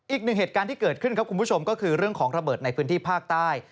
อีกหนึ่งเหตุการณ์ที่เกิดขึ้นครับคุณผู้ชมก็คือเรื่องของระเบิดในพื้นที่ภาคใต้